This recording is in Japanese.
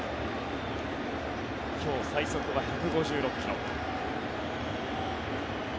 今日最速は１５６ｋｍ。